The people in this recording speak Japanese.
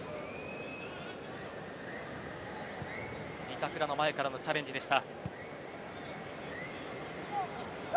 板倉の前からのチャレンジでした。